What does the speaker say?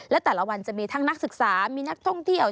และแต่ละวันจะมีทั้งนักศึกษามีนักท่องเที่ยว